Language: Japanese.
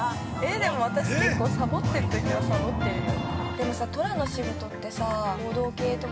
でも、私、結構さぼってるときは、さぼってるよ。